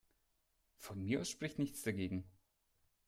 Von mir aus spricht nichts dagegen.